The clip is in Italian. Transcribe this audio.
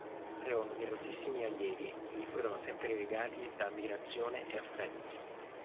Creò numerosissimi allievi, che gli furono sempre legati da ammirazione e affetto.